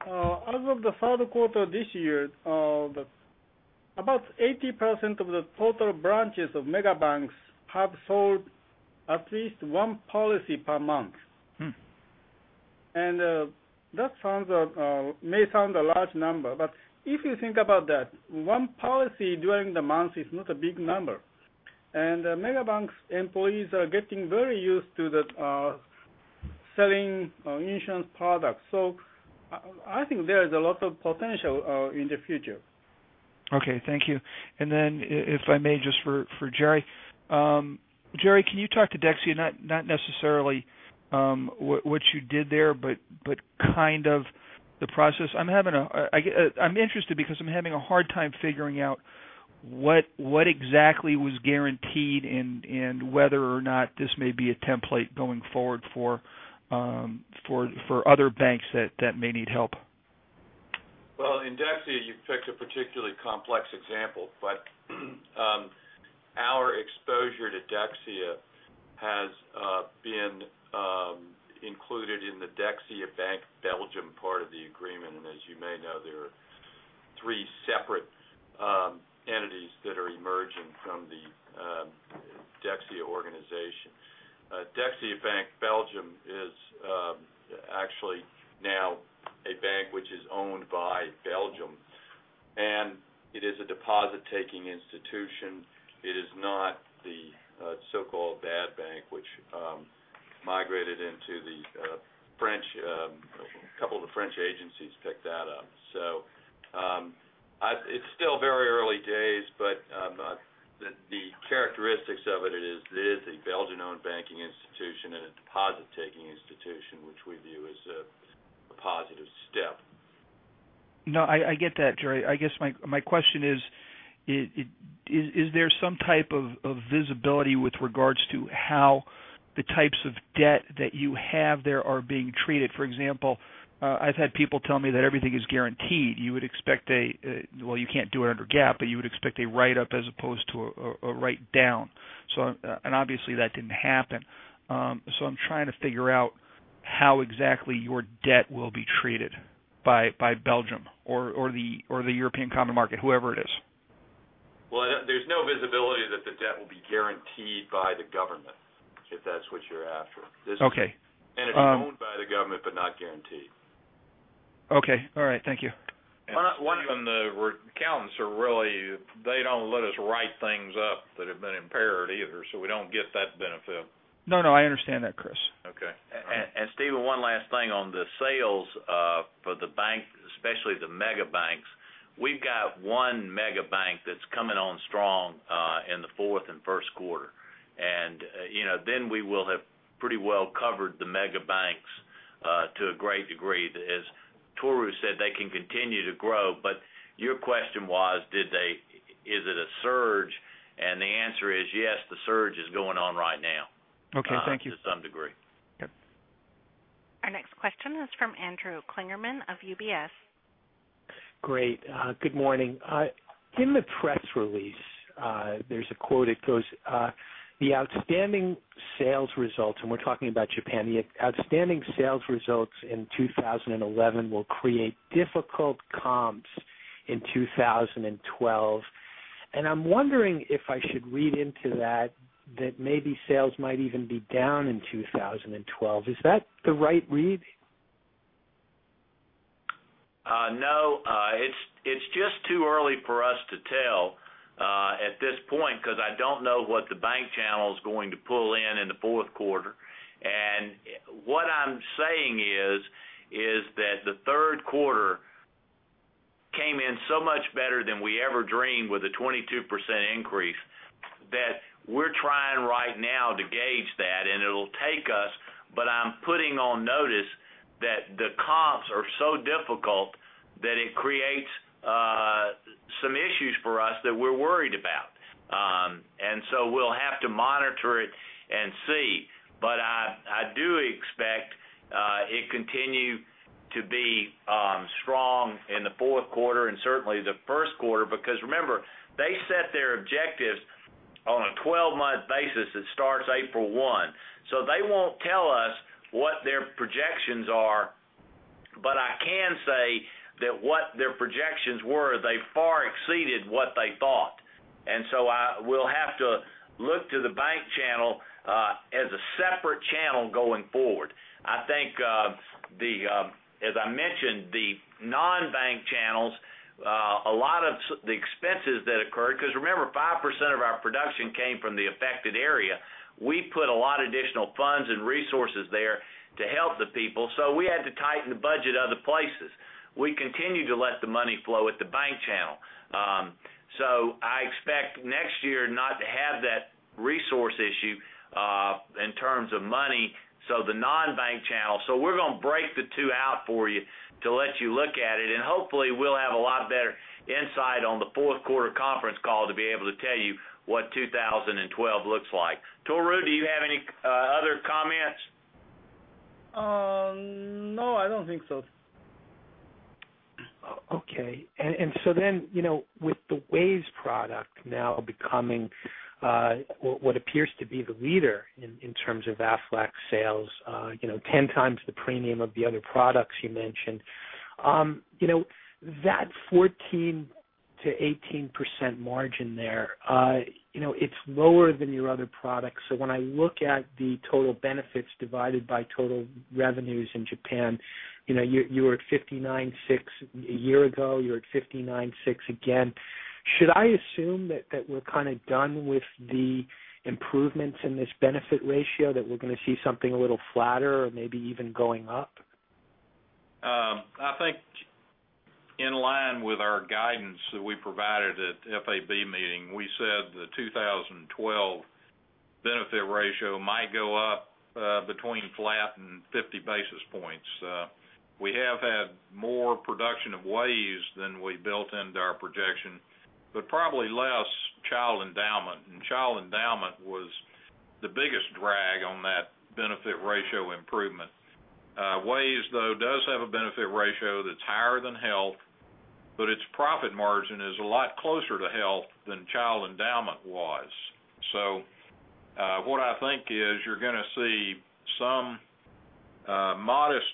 S10: as of the third quarter of this year, about 80% of the total branches of mega banks have sold at least one policy per month. That may sound a large number, but if you think about that, one policy during the month is not a big number. Mega banks employees are getting very used to selling insurance products. I think there is a lot of potential in the future.
S9: Okay, thank you. If I may, just for Jerry. Jerry, can you talk to Dexia not necessarily what you did there, but kind of the process? I'm interested because I'm having a hard time figuring out what exactly was guaranteed and whether or not this may be a template going forward for other banks that may need help.
S11: Well, in Dexia, you picked a particularly complex example, our exposure to Dexia has been included in the Dexia Bank Belgium part of the agreement. As you may know, there are three separate entities that are emerging from the Dexia organization. Dexia Bank Belgium is actually now a bank which is owned by Belgium, and it is a deposit-taking institution. It is not the so-called bad bank, which migrated into the French. A couple of the French agencies picked that up. It's still very early days, the characteristics of it is it is a Belgian-owned banking institution and a deposit-taking institution, which we view as a positive step.
S9: No, I get that, Jerry. I guess my question is: Is there some type of visibility with regards to how the types of debt that you have there are being treated? For example, I've had people tell me that everything is guaranteed. You would expect, well, you can't do it under GAAP, you would expect a write-up as opposed to a write-down. Obviously that didn't happen. I'm trying to figure out how exactly your debt will be treated by Belgium or the European Common Market, whoever it is.
S11: Well, there's no visibility that the debt will be guaranteed by the government, if that's what you're after.
S9: Okay.
S11: It's owned by the government, but not guaranteed.
S9: Okay. All right. Thank you.
S8: One of the accountants are really, they don't let us write things up that have been impaired either, so we don't get that benefit.
S9: No, I understand that, Kriss.
S3: Okay. Steven, one last thing on the sales for the bank, especially the mega banks. We've got one mega bank that's coming on strong in the fourth and first quarter. We will have pretty well covered the mega banks to a great degree. As Tohru said, they can continue to grow, but your question was, is it a surge? The answer is yes, the surge is going on right now.
S9: Okay, thank you.
S3: to some degree.
S9: Yep.
S1: Our next question is from Andrew Kligerman of UBS.
S12: Great. Good morning. In the press release, there's a quote. It goes, "The outstanding sales results," and we're talking about Japan, "The outstanding sales results in 2011 will create difficult comps in 2012." I'm wondering if I should read into that maybe sales might even be down in 2012. Is that the right read?
S3: No, it's just too early for us to tell at this point because I don't know what the bank channel's going to pull in the fourth quarter. What I'm saying is that the third quarter came in so much better than we ever dreamed with a 22% increase, that we're trying right now to gauge that, and it'll take us, but I'm putting on notice that the comps are so difficult that it creates some issues for us that we're worried about. We'll have to monitor it and see. I do expect it continue to be strong in the fourth quarter and certainly the first quarter, because remember, they set their objectives on a 12-month basis that starts April 1. They won't tell us what their projections are, but I can say that what their projections were, they far exceeded what they thought. We'll have to look to the bank channel as a separate channel going forward. I think as I mentioned, the non-bank channels, a lot of the expenses that occurred, because remember, 5% of our production came from the affected area. We put a lot of additional funds and resources there to help the people, so we had to tighten the budget other places. We continued to let the money flow at the bank channel. I expect next year not to have that resource issue, in terms of money, so the non-bank channel. We're going to break the two out for you to let you look at it, and hopefully we'll have a lot better insight on the fourth quarter conference call to be able to tell you what 2012 looks like. Tohru, do you have any other comments?
S10: No, I don't think so.
S12: Okay. With the Ways product now becoming what appears to be the leader in terms of Aflac sales, 10 times the premium of the other products you mentioned. That 14%-18% margin there, it's lower than your other products. When I look at the total benefits divided by total revenues in Japan, you were at 59.6% a year ago, you're at 59.6% again. Should I assume that we're kind of done with the improvements in this benefit ratio, that we're going to see something a little flatter or maybe even going up?
S8: I think in line with our guidance that we provided at the FAB meeting, we said the 2012 benefit ratio might go up between flat and 50 basis points. We have had more production of Ways than we built into our projection, but probably less child endowment, and child endowment was the biggest drag on that benefit ratio improvement. Ways, though, does have a benefit ratio that's higher than health, but its profit margin is a lot closer to health than child endowment was. What I think is you're going to see some modest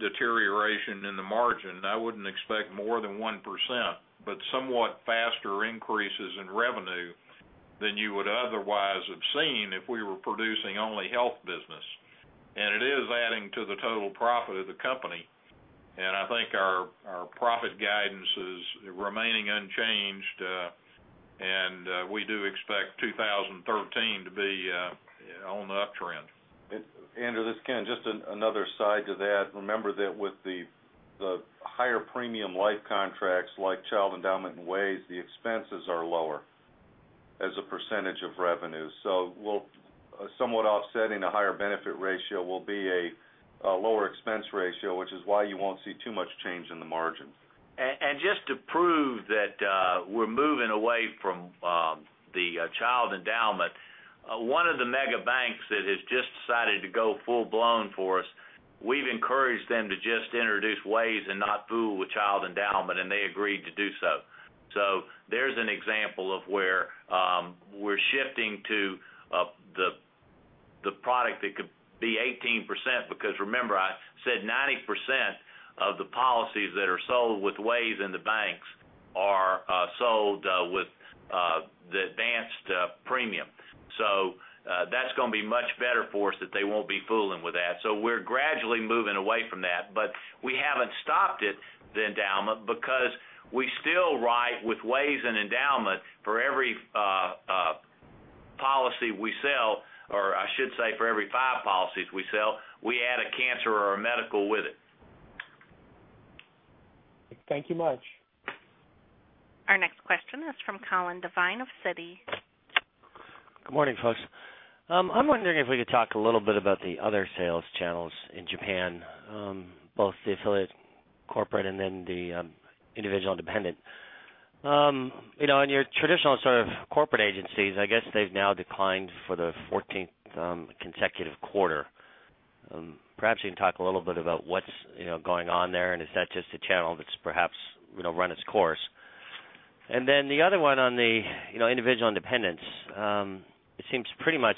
S8: deterioration in the margin. I wouldn't expect more than 1%, but somewhat faster increases in revenue than you would otherwise have seen if we were producing only health business. It is adding to the total profit of the company, I think our profit guidance is remaining unchanged, we do expect 2013 to be on the uptrend.
S6: Andrew, this is Ken. Just another side to that. Remember that with the higher premium life contracts like child endowment and Ways, the expenses are lower as a percentage of revenue. Somewhat offsetting a higher benefit ratio will be a lower expense ratio, which is why you won't see too much change in the margin.
S3: Just to prove that we're moving away from the child endowment, one of the mega banks that has just decided to go full-blown for us, we've encouraged them to just introduce Ways and not fool with child endowment, and they agreed to do so. There's an example of where we're shifting to the product that could be 18%, because remember I said 90% of the policies that are sold with Ways in the banks are sold with the advanced premium. That's going to be much better for us that they won't be fooling with that. We're gradually moving away from that, but we haven't stopped it, the endowment, because we still ride with Ways and endowment for every policy we sell, or I should say for every five policies we sell, we add a cancer or a medical with it.
S12: Thank you much.
S1: Our next question is from Colin Devine of Citi.
S13: Good morning, folks. I'm wondering if we could talk a little bit about the other sales channels in Japan, both the affiliate corporate and then the individual independent. In your traditional sort of corporate agencies, I guess they've now declined for the 14th consecutive quarter. Perhaps you can talk a little bit about what's going on there, and is that just a channel that's perhaps run its course? The other one on the individual independents. It seems pretty much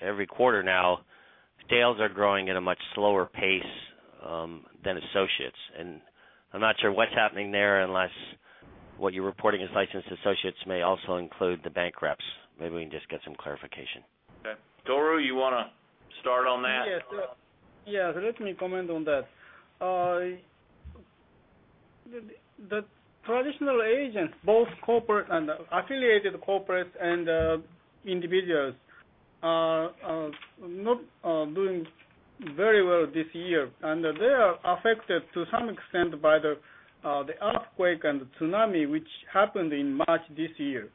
S13: every quarter now, sales are growing at a much slower pace than associates. I'm not sure what's happening there unless what you're reporting as licensed associates may also include the bank reps. Maybe we can just get some clarification.
S3: Okay. Tohru, you want to start on that?
S10: Yes. Let me comment on that. The traditional agents, both corporate and affiliated corporate and individuals, are not doing very well this year, and they are affected to some extent by the earthquake and the tsunami, which happened in March this year.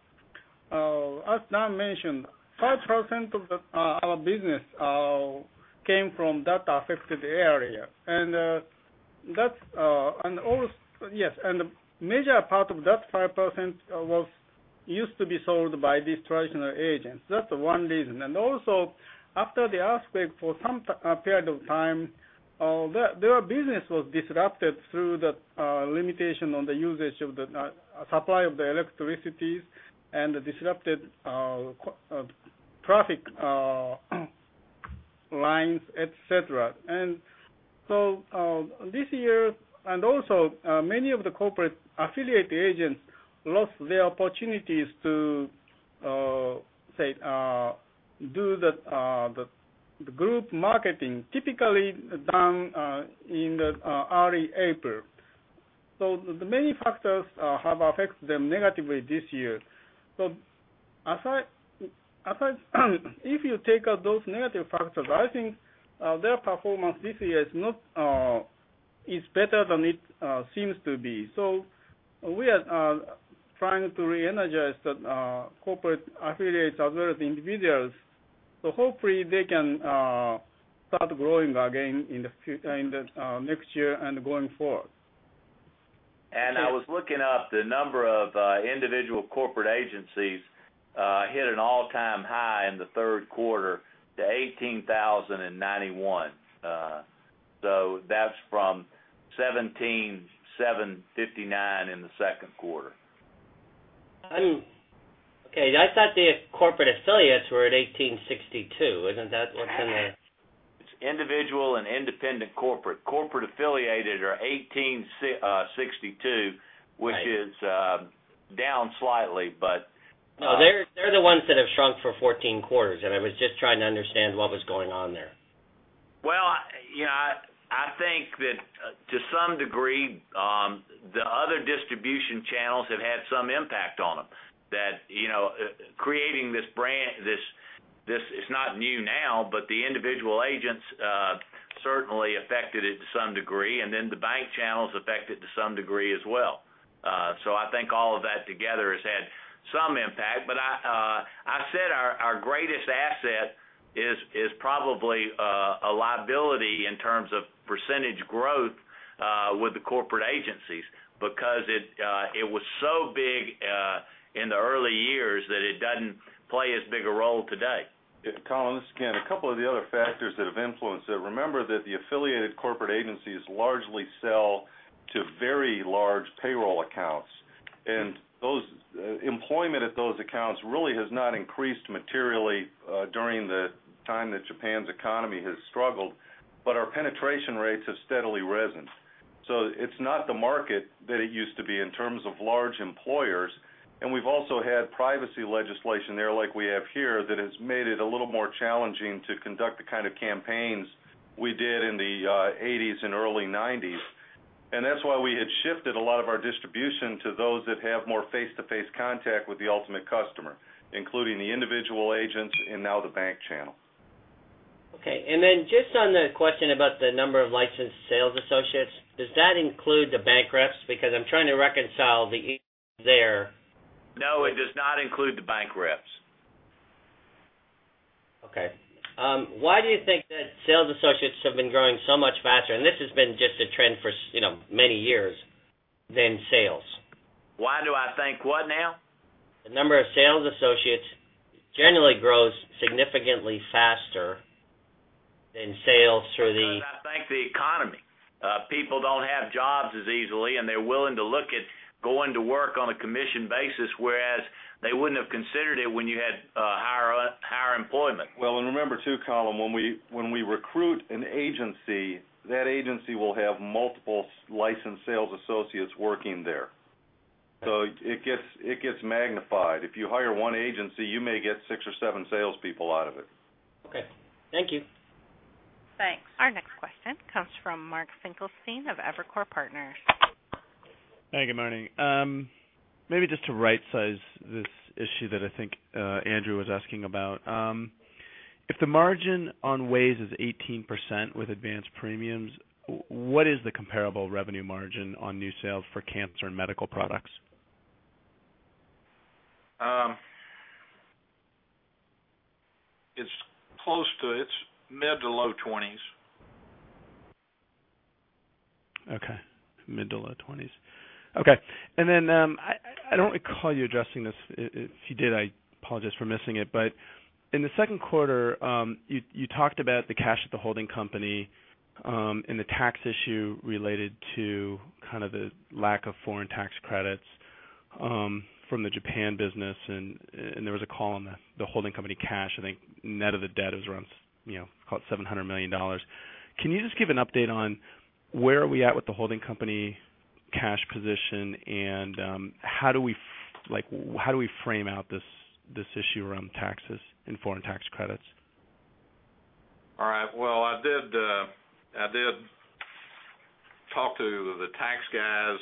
S10: As Dan mentioned, 5% of our business came from that affected area. Major part of that 5% used to be sold by these traditional agents. That's one reason. Also, after the earthquake, for some period of time, their business was disrupted through the limitation on the usage of the supply of the electricity and the disrupted traffic lines, et cetera. Also, many of the corporate affiliate agents lost their opportunities to, say, do the group marketing typically done in the early April. The many factors have affected them negatively this year. If you take out those negative factors, I think their performance this year is better than it seems to be. We are trying to reenergize the corporate affiliates as well as individuals. Hopefully they can start growing again in the next year and going forward.
S3: I was looking up the number of individual corporate agencies hit an all-time high in the third quarter to 18,091. That's from 17,759 in the second quarter.
S13: I thought the corporate affiliates were at 1,862. Isn't that what's in the?
S3: It's individual and independent corporate. Corporate affiliated are 1,862, which is down slightly.
S13: No, they're the ones that have shrunk for 14 quarters, and I was just trying to understand what was going on there.
S3: I think that to some degree, the other distribution channels have had some impact on them. That creating this brand, it's not new now, but the individual agents certainly affected it to some degree, the bank channels affect it to some degree as well. I think all of that together has had some impact, but I said our greatest asset is probably a liability in terms of % growth with the corporate agencies, because it was so big in the early years that it doesn't play as big a role today.
S6: Colin, this is Ken. A couple of the other factors that have influenced it. Remember that the affiliated corporate agencies largely sell to very large payroll accounts, employment at those accounts really has not increased materially during the time that Japan's economy has struggled, but our penetration rates have steadily risen. It's not the market that it used to be in terms of large employers, we've also had privacy legislation there like we have here that has made it a little more challenging to conduct the kind of campaigns we did in the '80s and early '90s. That's why we had shifted a lot of our distribution to those that have more face-to-face contact with the ultimate customer, including the individual agents and now the bank channel.
S13: Just on the question about the number of licensed sales associates, does that include the bank reps? I'm trying to reconcile the there.
S3: No, it does not include the bank reps.
S13: Okay. Why do you think that sales associates have been growing so much faster, and this has been just a trend for many years, than sales?
S3: Why do I think what now?
S13: The number of sales associates generally grows significantly faster than sales through the-
S3: I think the economy. People don't have jobs as easily, and they're willing to look at going to work on a commission basis, whereas they wouldn't have considered it when you had higher employment.
S6: Remember too, Colin, when we recruit an agency, that agency will have multiple licensed sales associates working there. It gets magnified. If you hire one agency, you may get six or seven salespeople out of it.
S13: Okay. Thank you.
S1: Mark Finkelstein of Evercore Partners.
S14: Hey, good morning. Maybe just to right-size this issue that I think Andrew was asking about. If the margin on Ways is 18% with advanced premiums, what is the comparable revenue margin on new sales for cancer and medical products?
S8: It's close to its mid to low 20s.
S14: Okay. Mid to low 20s. Okay. I don't recall you addressing this, if you did, I apologize for missing it. In the second quarter, you talked about the cash at the holding company, and the tax issue related to kind of the lack of foreign tax credits from the Japan business, and there was a call on the holding company cash. I think net of the debt is around, call it $700 million. Can you just give an update on where are we at with the holding company cash position and how do we frame out this issue around taxes and foreign tax credits?
S8: All right. Well, I did talk to the tax guys,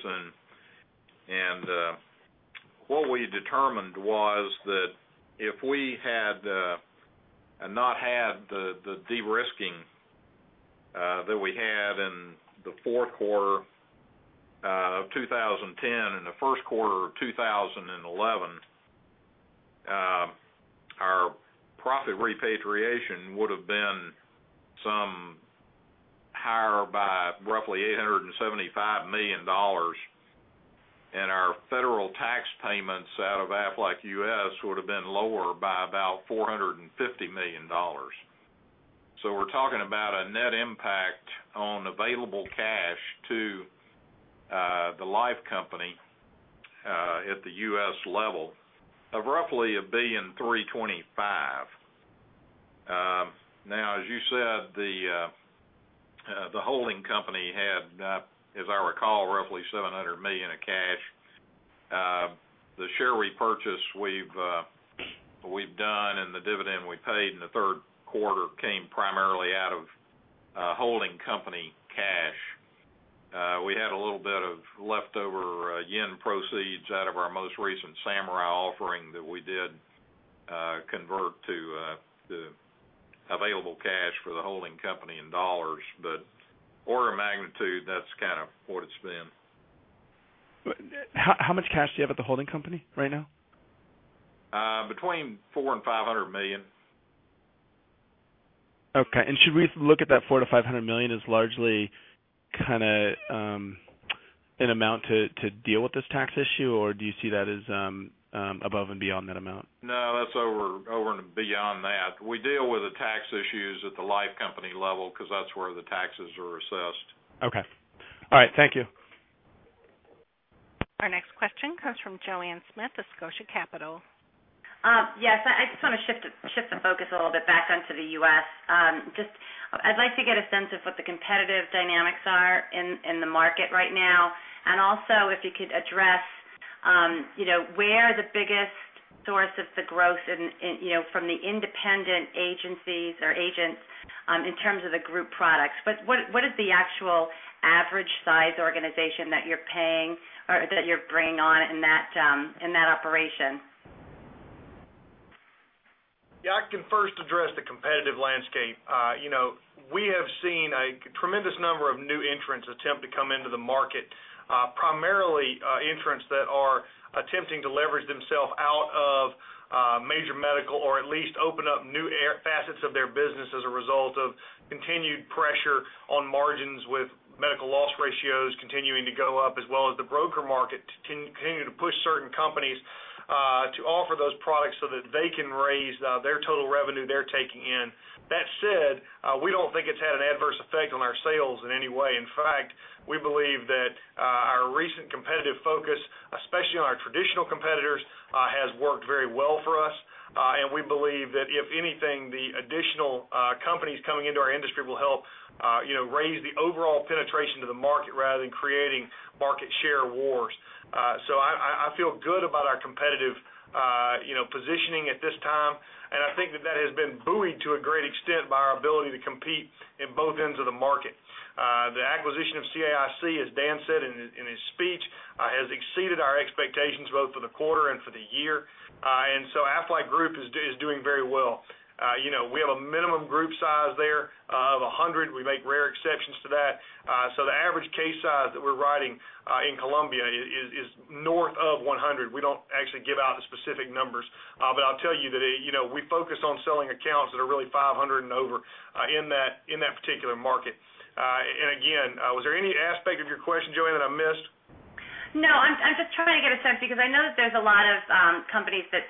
S8: what we determined was that if we had not had the de-risking that we had in the fourth quarter of 2010 and the first quarter of 2011, our profit repatriation would've been some higher by roughly $875 million, our federal tax payments out of Aflac US would've been lower by about $450 million. We're talking about a net impact on available cash to the life company, at the U.S. level, of roughly $1.325 billion. As you said, the holding company had, as I recall, roughly $700 million of cash. The share repurchase we've done and the dividend we paid in the third quarter came primarily out of holding company cash. We had a little bit of leftover yen proceeds out of our most recent Samurai offering that we did convert to available cash for the holding company in dollars. Order of magnitude, that's kind of what it's been.
S14: How much cash do you have at the holding company right now?
S8: Between $400 million and $500 million.
S14: Okay. Should we look at that $400 million-$500 million as largely kind of an amount to deal with this tax issue, or do you see that as above and beyond that amount?
S8: No, that's over and beyond that. We deal with the tax issues at the life company level because that's where the taxes are assessed.
S14: Okay. All right. Thank you.
S1: Our next question comes from Joanne Smith of Scotia Capital.
S15: Yes. I just want to shift the focus a little bit back onto the U.S. I'd like to get a sense of what the competitive dynamics are in the market right now, also if you could address where the biggest source of the growth from the independent agencies or agents in terms of the group products. What is the actual average size organization that you're paying or that you're bringing on in that operation?
S16: Yeah, I can first address the competitive landscape. We have seen a tremendous number of new entrants attempt to come into the market, primarily entrants that are attempting to leverage themselves out of major medical or at least open up new facets of their business as a result of continued pressure on margins with medical loss ratios continuing to go up as well as the broker market continue to push certain companies to offer those products so that they can raise their total revenue they're taking in. That said, we don't think it's had an adverse effect on our sales in any way. In fact, we believe that our recent competitive focus, especially on our traditional competitors, has worked very well for us. We believe that if anything, the additional companies coming into our industry will help raise the overall penetration to the market rather than creating market share wars. I feel good about our competitive positioning at this time, and I think that that has been buoyed to a great extent by our ability to compete in both ends of the market. The acquisition of CAIC, as Dan said in his speech, has exceeded our expectations both for the quarter and for the year. Aflac Group is doing very well. We have a minimum group size there of 100. We make rare exceptions to that. The average case size that we're writing in Columbus is north of 100. We don't actually give out the specific numbers. I'll tell you that we focus on selling accounts that are really 500 and over in that particular market. Again, was there any aspect of your question, Joanne, that I missed?
S15: No, I'm just trying to get a sense because I know that there's a lot of companies that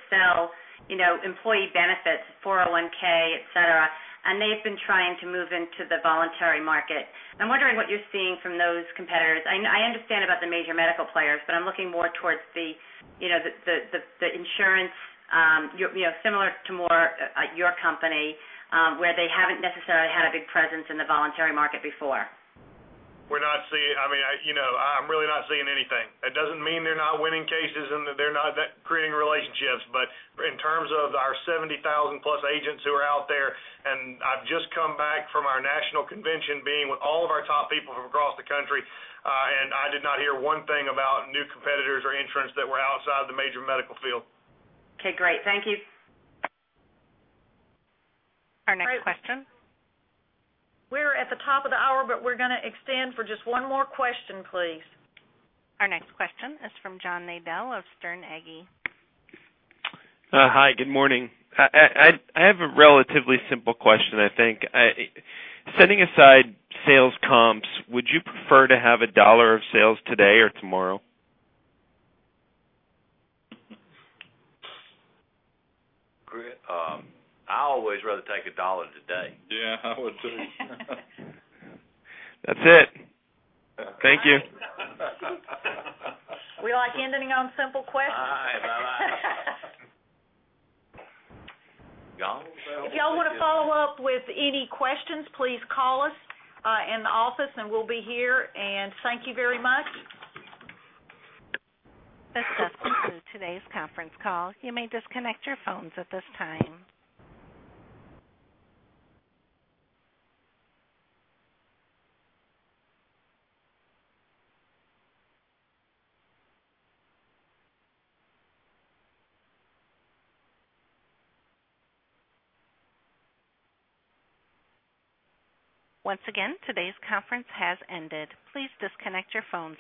S15: sell employee benefits, 401(k), et cetera, they've been trying to move into the voluntary market. I'm wondering what you're seeing from those competitors. I understand about the major medical players, I'm looking more towards the insurance, similar to more your company, where they haven't necessarily had a big presence in the voluntary market before.
S16: I'm really not seeing anything. That doesn't mean they're not winning cases and that they're not creating relationships. In terms of our 70,000-plus agents who are out there, I've just come back from our national convention, being with all of our top people from across the country, I did not hear one thing about new competitors or entrants that were outside the major medical field.
S15: Okay, great. Thank you.
S1: Our next question.
S2: We're at the top of the hour, we're going to extend for just one more question, please.
S1: Our next question is from John Nadel of Sterne Agee.
S17: Hi. Good morning. I have a relatively simple question, I think. Setting aside sales comps, would you prefer to have a dollar of sales today or tomorrow?
S16: I always rather take a dollar today.
S8: Yeah, I would too.
S17: That's it. Thank you.
S2: We like ending on simple questions.
S16: All right.
S2: If y'all want to follow up with any questions, please call us in the office, and we'll be here. Thank you very much.
S1: This does conclude today's conference call. You may disconnect your phones at this time. Once again, today's conference has ended. Please disconnect your phones.